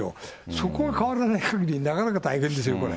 そこが変わらないかぎり、なかなか大変ですよ、これ。